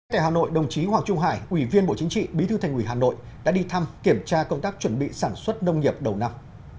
tại hà nội đồng chí hoàng trung hải ủy viên bộ chính trị bí thư thành ủy hà nội đã đi thăm kiểm tra công tác chuẩn bị sản xuất nông nghiệp đầu năm